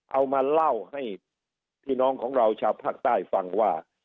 เอามาเล่าให้พี่น้องของเราชาวภาคใต้ฟังว่า